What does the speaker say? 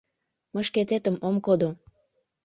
— Мый шкететым ом кодо!